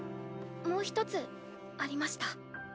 もう一つありました